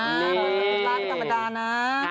ร้านกรรมดานะ